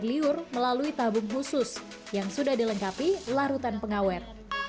air liur melalui tabung khusus yang sudah dilengkapi larutan pengawet